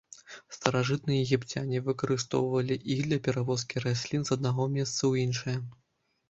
Старажытныя егіпцяне выкарыстоўвалі іх для перавозкі раслін з аднаго месца ў іншае.